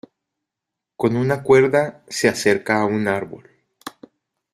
Con una cuerda, se acerca a un árbol.